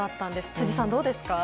辻さん、どうですか？